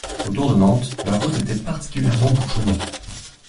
Autour de Nantes, la route était particulièrement bouchonnée.